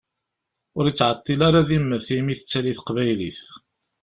Ur ittɛeṭṭil ara ad immet i mi tettali teqbaylit.